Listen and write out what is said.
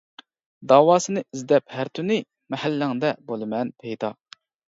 داۋاسىنى ئىزدەپ ھەر تۈنى، مەھەللەڭدە بولىمەن پەيدا.